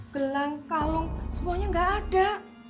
gelang kalung semuanya nggak ada